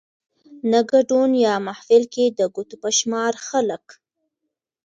نه ګدون يا محفل کې د ګوتو په شمار خلک